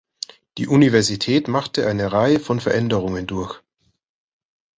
Die Universität machte eine Reihe von Veränderungen durch.